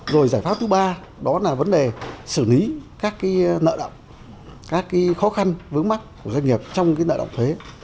rồi giải pháp thứ ba đó là vấn đề xử lý các nợ động các khó khăn vướng mắt của doanh nghiệp trong nợ động thuế